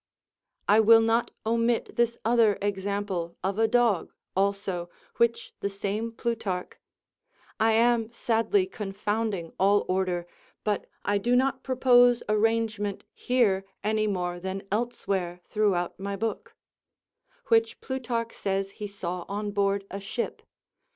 I will not omit this other example of a dog, also, which the same Plutarch (I am sadly confounding all order, but I do not propose arrangement here any more than elsewhere throughout my book) which Plutarch says he saw on board a ship.